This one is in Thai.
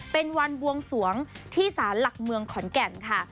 เป็นวันบวงสวงที่สารหลักเมืองขอนแก่นค่ะ